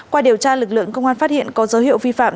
qua điều tra lực lượng công an phát hiện có dấu hiệu vi phạm